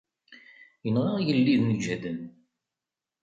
Inɣa igelliden iǧehden.